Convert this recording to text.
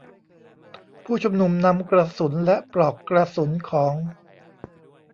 ผู้ชุมนุมนำกระสุนและปลอกกระสุนของ